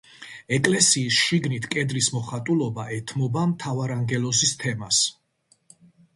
ეკლესიის შიგნითა კედლის მოხატულობა ეთმობა მთავარანგელოზის თემას.